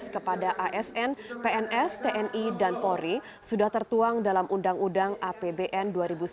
kepada asn pns tni dan polri sudah tertuang dalam undang undang apbn dua ribu sembilan belas